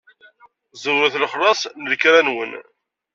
Szewret lexlaṣ n lekra-nwen.